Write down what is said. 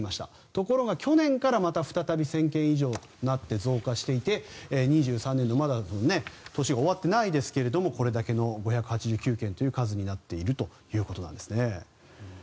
ところが去年からまた再び１０００件以上になって増加していて、２３年度まだ年が終わっていないですがこれだけの５８９件という数になっているということなんですね。